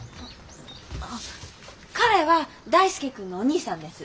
彼は大介君のお兄さんです。